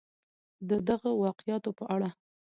د دغه واقعاتو په اړه